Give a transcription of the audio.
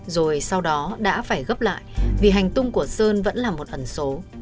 rồi sau đó đã phải gấp lại vì hành tung của sơn vẫn là một ẩn số